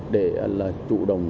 để là chủ đồng phòng ngừa